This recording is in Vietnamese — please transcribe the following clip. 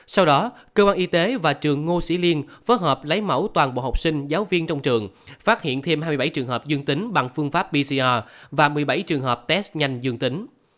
sau đó cơ quan y tế và trường ngô sĩ liên phối hợp lấy mẫu toàn bộ học sinh giáo viên trong trường phát hiện thêm hai mươi bảy trường hợp dương tính bằng phương pháp bcr và một mươi bảy trường hợp test nhanh dương tính